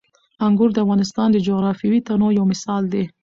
انګور د افغانستان د جغرافیوي تنوع یو مثال دی.